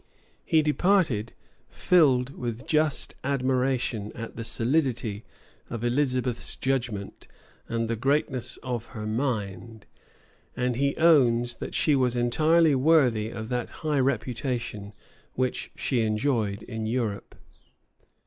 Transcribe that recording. He departed, filled with just admiration at the solidity of Elizabeth's judgment, and the greatness of her mind; and he owns, that she was entirely worthy of that high reputation which she enjoyed in Europe.